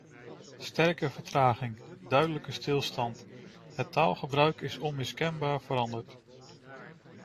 Sterke vertraging, duidelijke stilstand: het taalgebruik is onmiskenbaar veranderd.